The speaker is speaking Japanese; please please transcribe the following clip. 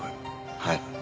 はい。